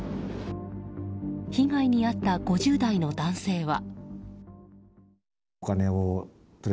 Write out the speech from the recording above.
被害に遭った５０代の男性は。